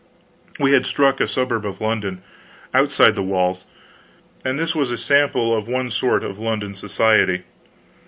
We had struck a suburb of London, outside the walls, and this was a sample of one sort of London society.